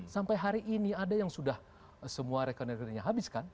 sampai hari ini ada yang sudah semua rekeningnya habis kan